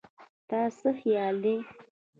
ستا څه خيال دی